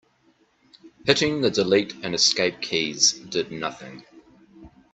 Hitting the delete and escape keys did nothing.